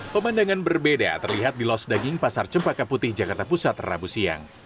pemandangan berbeda terlihat di los daging pasar cempaka putih jakarta pusat rabu siang